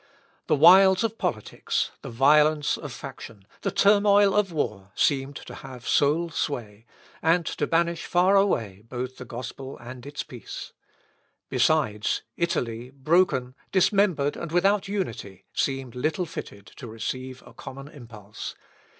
The wiles of politics, the violence of faction, the turmoil of war, seemed to have sole sway, and to banish far away both the gospel and its peace. Besides, Italy, broken, dismembered, and without unity, seemed little fitted to receive a common impulse.